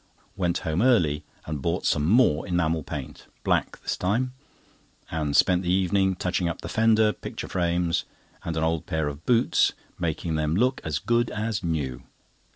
Went home early and bought some more enamel paint—black this time—and spent the evening touching up the fender, picture frames, and an old pair of boots, making them look as good as new.